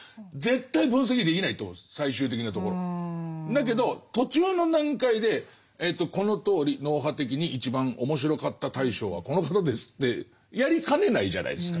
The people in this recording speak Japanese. だけど途中の段階でこのとおり脳波的に一番面白かった大賞はこの方ですってやりかねないじゃないですか。